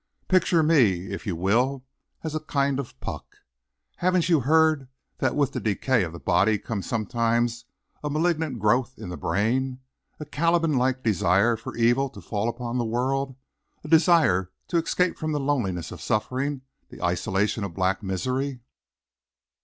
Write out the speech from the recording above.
Picture me, if you will, as a kind of Puck. Haven't you heard that with the decay of the body comes sometimes a malignant growth in the brain; a Caliban like desire for evil to fall upon the world; a desire to escape from the loneliness of suffering, the isolation of black misery?"